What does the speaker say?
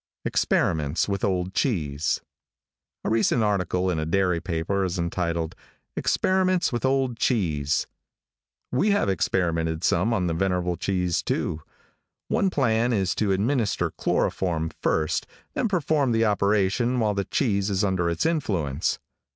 EXPERIMENTS WITH OLD CHEESE. |A RECENT article in a dairy paper is entitled, "Experiments with Old Cheese." We have experimented some on the venerable cheese, too. One plan is to administer chloroform first, then perform the operation while the cheese is under its influence.